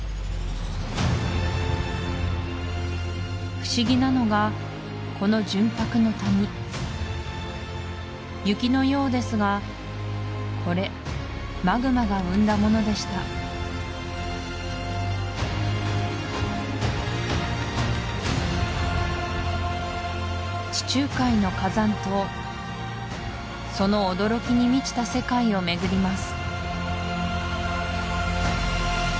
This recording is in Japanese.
不思議なのがこの純白の谷雪のようですがこれマグマが生んだものでしたその驚きに満ちた世界を巡ります